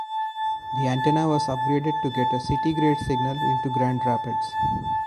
The antenna was upgraded to get a city-grade signal into Grand Rapids.